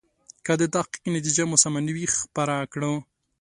که د تحقیق نتیجه مو سمه نه وي خپره کړو.